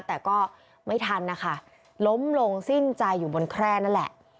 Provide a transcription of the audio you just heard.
แต่ก็ไม่ทันนะคะล้มลงสิ้นใจอยู่บนแคร่นั่นแหละ